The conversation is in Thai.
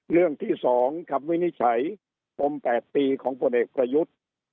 เรื่องที่๒คำวินิจฉัยปม๘ปีของผลเอกประยุทธ์